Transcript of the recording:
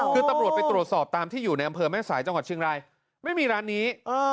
คือตำรวจไปตรวจสอบตามที่อยู่ในอำเภอแม่สายจังหวัดเชียงรายไม่มีร้านนี้